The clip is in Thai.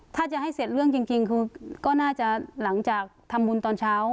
ถ้าจะให้เสร็จเรื่องจริงคือก็น่าจะหลังจากทำบุญตอนเช้า